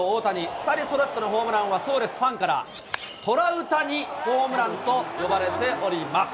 ２人そろってのホームランは、そうです、ファンからトラウタニホームランと呼ばれております。